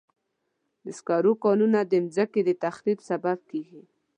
د سکرو کانونه د مځکې د تخریب سبب کېږي.